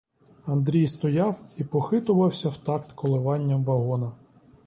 Андрій стояв і похитувався в такт коливанням вагона.